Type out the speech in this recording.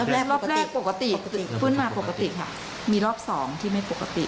รอบแรกปกติขึ้นมาปกติค่ะมีรอบสองที่ไม่ปกติ